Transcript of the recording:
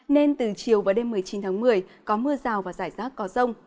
nên từ chiều và đêm một mươi chín tháng một mươi có mưa rào và rải rác có rông